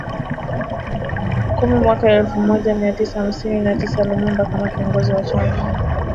kumi mwaka elfu moja mia tisa hamsini na tisa Lumumba kama kiongozi wa chama